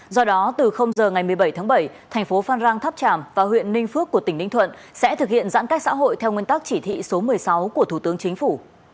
do đó từ giờ ngày một mươi bảy tháng bảy thành phố phan rang tháp tràm và huyện ninh phước của tỉnh ninh thuận sẽ thực hiện giãn cách xã hội theo nguyên tắc chỉ thị số một mươi sáu của thủ tướng chính phủ